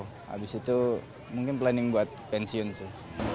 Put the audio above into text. habis itu mungkin planning buat pensiun sih